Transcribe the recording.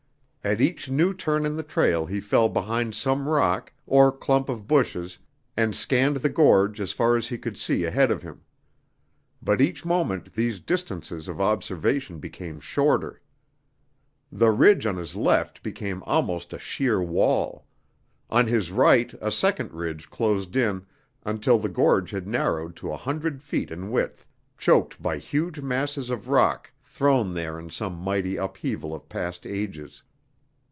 At each new turn in the trail he fell behind some rock or clump of bushes and scanned the gorge as far as he could see ahead of him. But each moment these distances of observation became shorter. The ridge on his left became almost a sheer wall; on his right a second ridge closed in until the gorge had narrowed to a hundred feet in width, choked by huge masses of rock thrown there in some mighty upheaval of past ages.